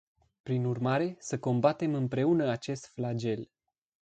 Prin urmare, să combatem împreună acest flagel.